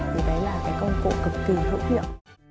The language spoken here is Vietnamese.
vì đấy là công cụ cực kỳ hữu hiệu